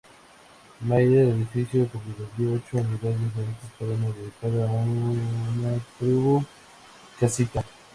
Meyer, el edificio comprendía ocho unidades diferentes, cada una dedicada a una tribu casita.